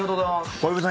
小籔さん